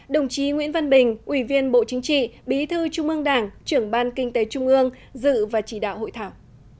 đồng chí nguyễn văn bình ủy viên bộ chính trị bí thư trung ương đảng trưởng ban kinh tế trung ương dự và chỉ đạo hội thảo